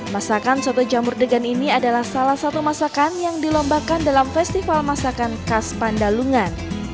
masakan soto jamur degan ini adalah salah satu masakan yang dilombakan dalam festival masakan khas pandalungan